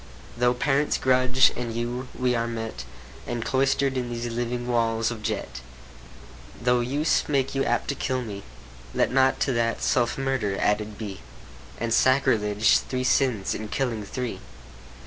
Though parents grudge, and you, we're met, And cloister'd in these living walls of jet. Though use make you apt to kill me, Let not to that self murder added be, And sacrilege, three sins in killing three.